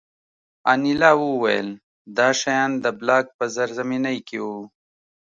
انیلا وویل دا شیان د بلاک په زیرزمینۍ کې وو